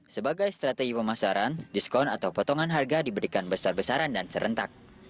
sebagai strategi pemasaran diskon atau potongan harga diberikan besar besaran dan serentak